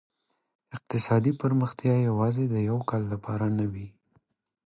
اقتصادي پرمختيا يوازي د يوه کال لپاره نه وي.